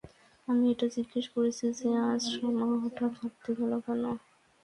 আমি এটা জিজ্ঞেস করেছি যে আজ শামা হঠাৎ হাটতে গেল কেন?